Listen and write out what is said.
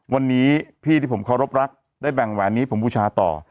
วันนี้พี่ที่ผมเคารพรักได้แบ่งแหวนนี้ผมบูชาต่อ